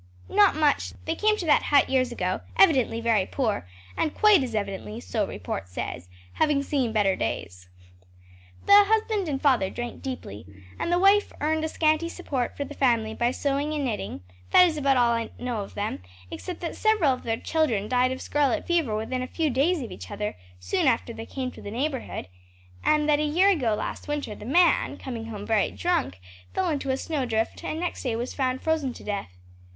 "Not much; they came to that hut years ago, evidently very poor, and quite as evidently so report says having seen better days. The husband and father drank deeply, and the wife earned a scanty support for the family by sewing and knitting; that is about all I know of them, except that several of their children died of scarlet fever within a few days of each other, soon after they came to the neighborhood, and that a year ago last winter, the man, coming home very drunk, fell into a snow drift, and next day was found frozen to death.